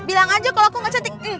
bilang aja kalau aku gak cantik